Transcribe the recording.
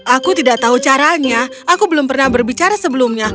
aku tidak tahu caranya aku belum pernah berbicara sebelumnya